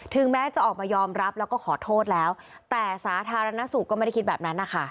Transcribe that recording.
แม้จะออกมายอมรับแล้วก็ขอโทษแล้วแต่สาธารณสุขก็ไม่ได้คิดแบบนั้นนะคะ